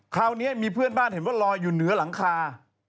คราวนี้มีเพื่อนบ้านเห็นว่าลอยอยู่เหนือหลังคา